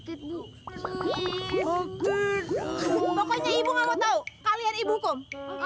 ibu mau tahu kalian ibu kom